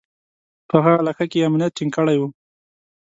په هغه علاقه کې یې امنیت ټینګ کړی و.